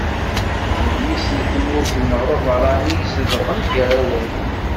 D mmi-s n tmurt neɣ d abeṛṛani izedɣen gar-awen.